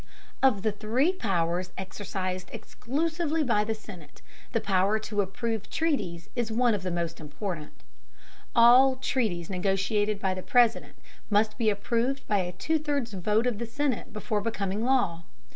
Of the three powers exercised exclusively by the Senate, the power to approve treaties is one of the most important. All treaties negotiated by the President must be approved by a two thirds vote of the Senate before becoming law.